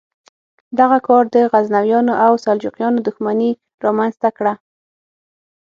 دغه کار د غزنویانو او سلجوقیانو دښمني رامنځته کړه.